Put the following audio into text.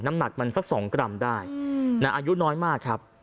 หนักมันสัก๒กรัมได้อายุน้อยมากครับ